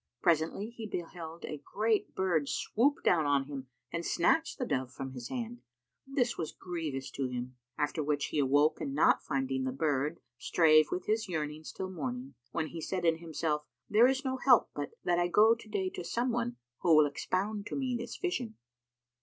Presently, he beheld a great bird swoop down on him and snatch the dove from his hand, and this was grievous to him. After which he awoke and not finding the bird strave with his yearnings till morning, when he said in himself, "There is no help but that I go to day to some one who will expound to me this vision."